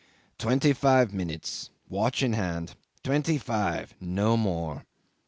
"Twenty five minutes watch in hand twenty five, no more." .